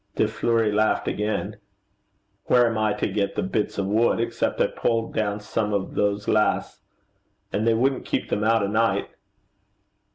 De Fleuri laughed again. 'Where am I to get the bits of wood, except I pull down some of those laths. And they wouldn't keep them out a night.'